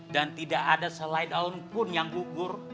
dan tidak ada selai daun pun yang gugur